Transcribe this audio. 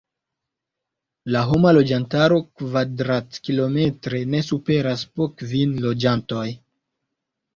La homa loĝantaro kvadrat-kilometre ne superas po kvin loĝantoj.